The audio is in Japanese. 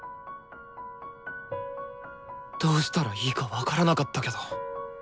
どうしたらいいか分からなかったけど。